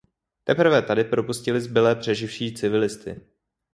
Teprve tady propustili zbylé přeživší civilisty.